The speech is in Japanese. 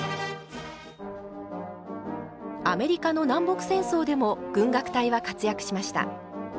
アメリカの南北戦争でも軍楽隊は活躍しました。